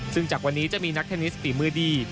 ซึ่งจากวันนี้จะมีนักเทนนิสฝีมือดี